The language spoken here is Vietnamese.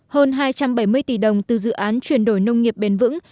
hơn hai trăm bảy mươi tỷ đồng từ dự án chuyển đổi nông nghiệp bền vững